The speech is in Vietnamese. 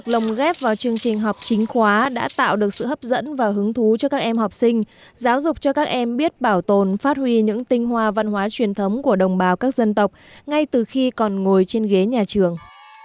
lồng ghép vào chương trình học chính khóa đã tạo được sự hấp dẫn và hứng thú cho các em học sinh giáo dục cho các em biết bảo tồn phát huy những tinh hoa văn hóa truyền thống của đồng bào các dân tộc ngay từ khi còn ngồi trên ghế nhà trường